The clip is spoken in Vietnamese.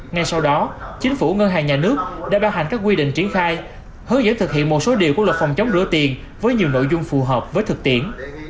ngay sau đó chính phủ ngân hàng nhà nước đã ban hành các quy định triển khai hướng dẫn thực hiện một số điều của luật phòng chống rửa tiền với nhiều nội dung phù hợp với thực tiễn